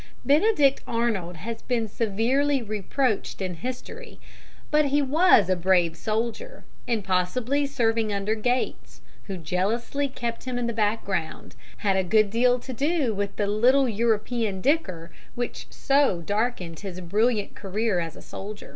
Benedict Arnold has been severely reproached in history, but he was a brave soldier, and possibly serving under Gates, who jealously kept him in the background, had a good deal to do with the little European dicker which so darkened his brilliant career as a soldier.